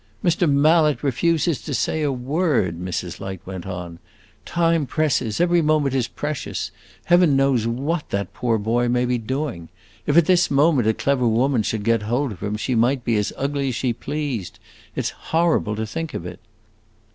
"Mr. Mallet refuses to say a word," Mrs. Light went on. "Time presses, every moment is precious. Heaven knows what that poor boy may be doing. If at this moment a clever woman should get hold of him she might be as ugly as she pleased! It 's horrible to think of it."